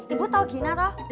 ibu tau gina tau